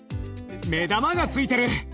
目玉がついてる。